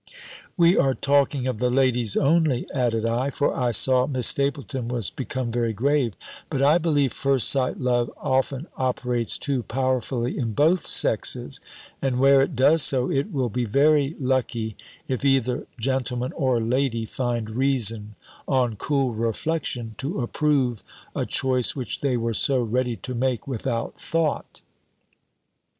"We are talking of the ladies only," added I (for I saw Miss Stapylton was become very grave): "but I believe first sight love often operates too powerfully in both sexes: and where it does so, it will be very lucky, if either gentleman or lady find reason, on cool reflection, to approve a choice which they were so ready to make without thought."